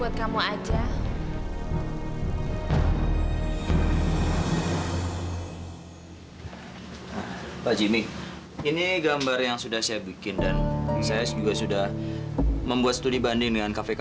sampai jumpa di video selanjutnya